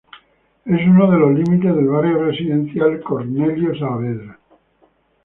Es uno de los límites del Barrio Residencial Cornelio Saavedra.